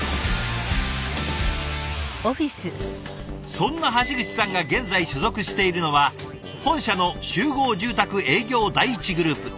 そんな橋口さんが現在所属しているのは本社の集合住宅営業第一グループ。